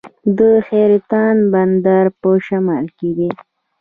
د حیرتان بندر په شمال کې دی